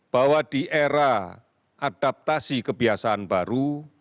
bahwa di era adaptasi kebiasaan baru